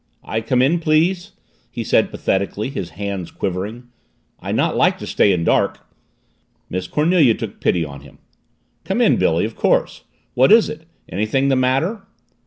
"I come in, please?" he said pathetically, his hands quivering. "I not like to stay in dark." Miss Cornelia took pity on him. "Come in, Billy, of course. What is it? Anything the matter?"